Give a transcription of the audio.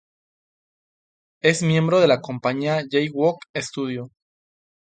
Es miembro de la compañía "Jay Walk Studio".